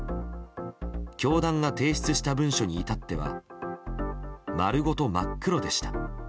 教団が提出した文書に至っては丸ごと真っ黒でした。